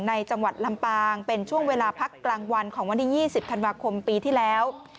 จังหวัดลำปางเป็นช่วงเวลาพักกลางวันของวันที่๒๐ธันวาคมปีที่แล้ว